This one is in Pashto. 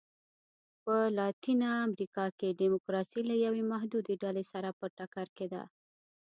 په لاتینه امریکا کې ډیموکراسي له یوې محدودې ډلې سره په ټکر کې ده.